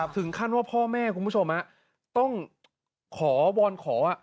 ถึงขั้นว่าพ่อแม่คุณผู้ชมต้องขอวอนขอ